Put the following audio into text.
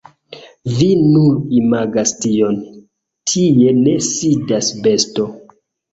Vi nur imagas tion, tie ne sidas besto.